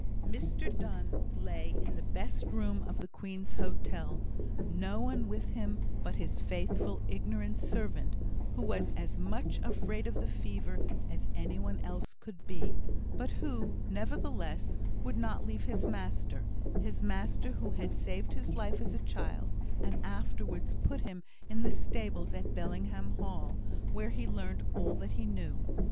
Mr Donne lay in the best room of the Queen's Hotel no one with him but his faithful, ignorant servant, who was as much afraid of the fever as any one else could be, but who, nevertheless, would not leave his master his master who had saved his life as a child, and afterwards put him in the stables at Bellingham Hall, where he learnt all that he knew.